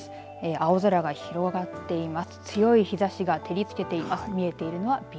青空が広がっています。